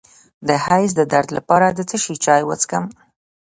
د حیض د درد لپاره د څه شي چای وڅښم؟